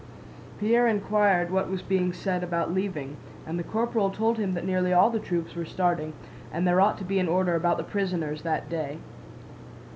Pierre inquired what was being said about leaving, and the corporal told him that nearly all the troops were starting and there ought to be an order about the prisoners that day.